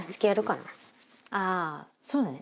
ああーそうだね。